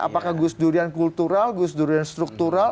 apakah gusdurian kultural gusdurian struktural